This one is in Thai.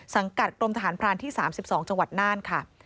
สังกัดกรมทหารพรานที่๓๒จังหวัดน่านค่ะ